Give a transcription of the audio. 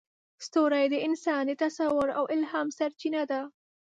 ستوري د انسان د تصور او الهام سرچینه ده.